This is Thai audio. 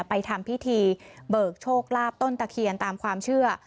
ไปทำพิธีเบิกโชคลาภต้นตะเคียนตามความเชื่อ